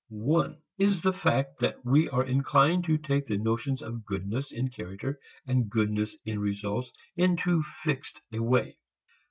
One is the fact that we are inclined to take the notions of goodness in character and goodness in results in too fixed a way.